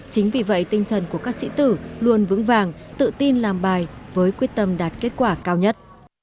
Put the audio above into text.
chính vì vậy tinh thần của các sĩ tử luôn vững vàng tự tin làm bài với quyết tâm đạt kết quả cao nhất